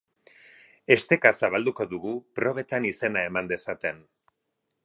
Esteka zabalduko dugu, probetan izena eman dezaten.